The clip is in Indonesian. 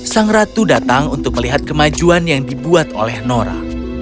sang ratu datang untuk melihat kemajuan yang dibuat oleh nora